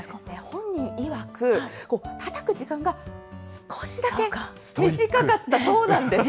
本人いわく、たたく時間が少しだけ短かったそうなんです。